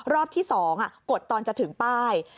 รอบที่๒กดตอนจะถึงป้าย